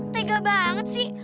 tega banget sih